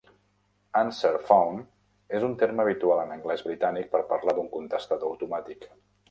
"Answerphone" és un terme habitual en anglès britànic per parlar d'un contestador automàtic